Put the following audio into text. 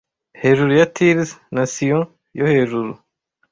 hejuru ya tyrs na sion yohejuru